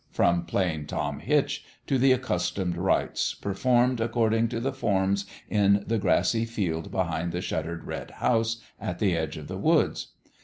" from Plain Tom Hitch, to the accustomed rites, performed according to the forms in the grassy field behind the shuttered red house at the edge of the woods.